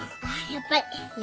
やっぱり。